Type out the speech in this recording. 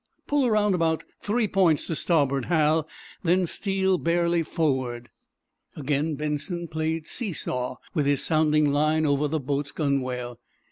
"Pull around about three points to starboard, Hal, then steal barely forward." Again Benson played see saw with his sounding line over the boat's gunwale.